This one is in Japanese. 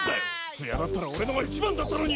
ツヤだったら俺のが一番だったのに！